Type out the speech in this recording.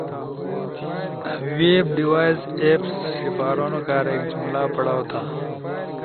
ویپ ڈیوائس ایپس سپارونو کارا ایک جملہ پڑاؤ تھا